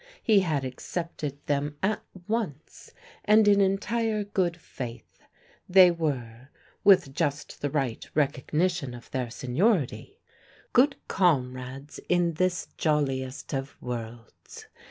He had accepted them at once and in entire good faith. They were (with just the right recognition of their seniority) good comrades in this jolliest of worlds.